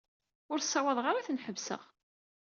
Ur ssawḍeɣ ara ad ten-ḥebseɣ.